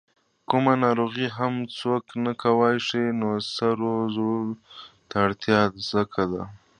کومه ناروغي هم څوک نه ګواښي، نو سرو زرو ته اړتیا څه ده؟